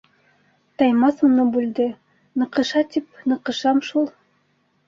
Таймаҫ уны бүлде: - Ныҡыша тип, ныҡышам шул.